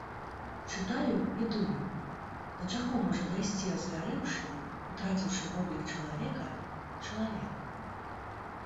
Чытаю і думаю, да чаго можа дайсці, азвярэўшы, утраціўшы воблік чалавека, чалавек.